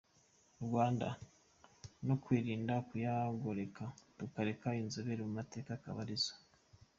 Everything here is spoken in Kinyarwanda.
Rwanda, no kwirinda kuyagoreka, tukareka inzobere mu mateka akaba arizo